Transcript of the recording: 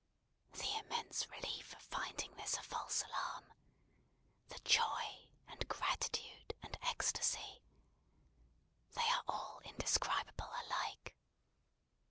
The immense relief of finding this a false alarm! The joy, and gratitude, and ecstasy! They are all indescribable alike.